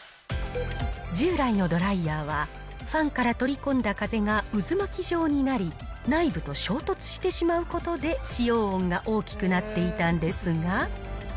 従来のドライヤーは、ファンから取り込んだ風が渦巻き状になり、内部と衝突してしまうことで、使用音が大きくなっていたんですが。